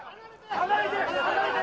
離れて！